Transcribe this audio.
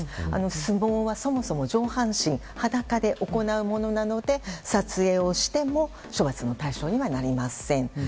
相撲はそもそも上半身裸で行うものなので撮影をしても処罰の対象にはなりません。